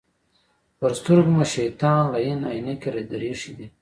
پر سترګو مو شیطان لعین عینکې در اېښي دي.